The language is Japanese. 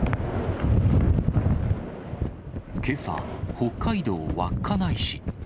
けさ、北海道稚内市。